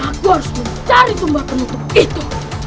aku harus mencari sebuah penutup itu